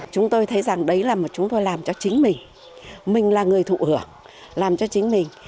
chúng tôi thấy rằng đấy là một chúng tôi làm cho chính mình mình là người thụ hưởng làm cho chính mình